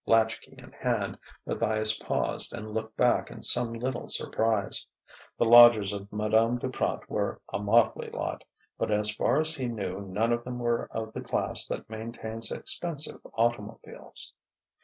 Latch key in hand, Matthias paused and looked back in some little surprise: the lodgers of Madame Duprat were a motley lot, but as far as he knew none of them were of the class that maintains expensive automobiles.